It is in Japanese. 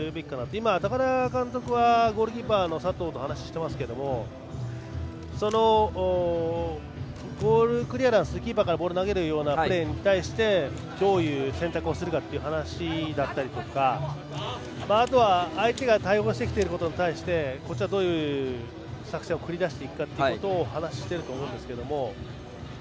今、高田監督がゴールキーパーの佐藤と話をしていますけどゴールクリアランスキーパーからボールを投げるプレーに対してどういう選択をするかという話やあとは、相手が対応してきていることに対してこっちがどういう作戦を繰り出していくかを話していると思うんですけども。